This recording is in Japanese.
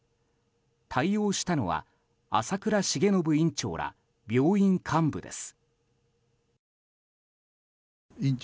対応したのは朝倉重延院長ら病院幹部です。